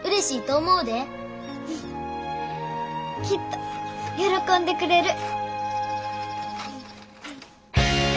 うんきっと喜んでくれる。